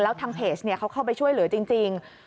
แล้วทางเพจเขาเข้าไปช่วยเหลือจริง